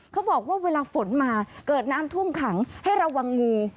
เขาบอกว่าเวลาฝนมาเกิดน้ำท่วมขังให้ระวังงู